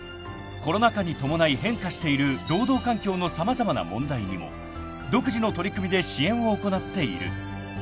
［コロナ禍に伴い変化している労働環境の様々な問題にも独自の取り組みで支援を行っている］